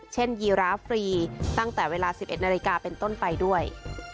ยีราฟฟรีตั้งแต่เวลา๑๑นาฬิกาเป็นต้นไปด้วย